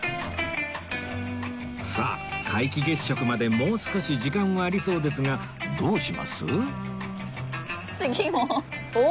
さあ皆既月食までもう少し時間はありそうですがどうします？